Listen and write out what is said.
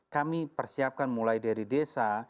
kami persiapkan mulai dari desa